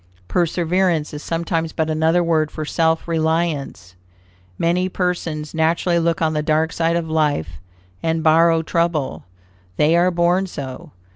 Perseverance is sometimes but another word for self reliance. Many persons naturally look on the dark side of life, and borrow trouble. They are born so.